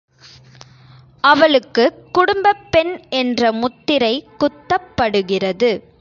அவளுக்குக் குடும்பப் பெண் என்ற முத்திரை குத்தப் படுகிறது.